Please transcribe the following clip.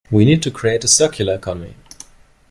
We need to create a circular economy.